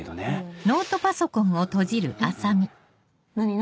何？